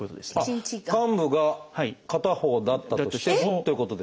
患部が片方だったとしてもということですか？